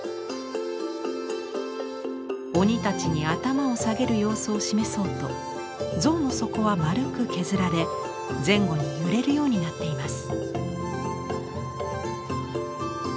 鬼たちに頭を下げる様子を示そうと像の底は丸く削られ前後に揺れるようになっています。